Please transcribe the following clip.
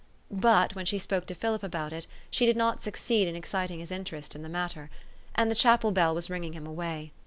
But, when she spoke to Philip about it, she did not succeed in exciting his interest in the matter ; and the chapel bell was ringing him away.